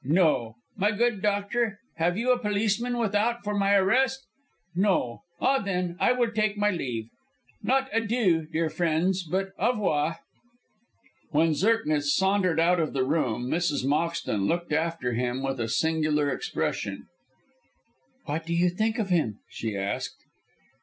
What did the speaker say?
No! My good doctor, have you a policeman without for my arrest? No! Ah, then I will take my leave. Not adieu, dear friends, but au revoir." When Zirknitz sauntered out of the room, Mrs. Moxton looked after him with a singular expression. "What do you think of him?" she asked.